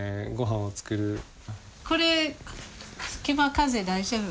これ隙間風大丈夫？